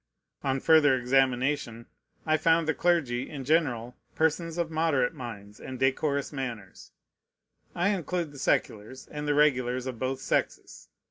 On further examination, I found the clergy, in general, persons of moderate minds and decorous manners: I include the seculars, and the regulars of both sexes.